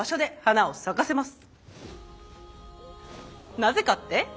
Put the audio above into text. なぜかって？